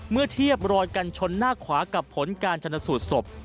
เมื่อเทียบรอยกันชนหน้าขวากับผลการชนสูตรศพ